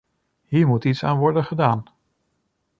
Hier moet iets aan worden gedaan.